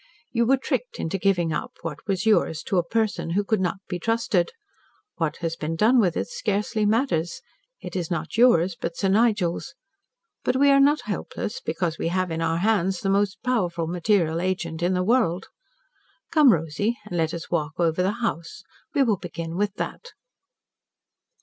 "You were tricked into giving up what was yours, to a person who could not be trusted. What has been done with it, scarcely matters. It is not yours, but Sir Nigel's. But we are not helpless, because we have in our hands the most powerful material agent in the world. "Come, Rosy, and let us walk over the house. We will begin with that."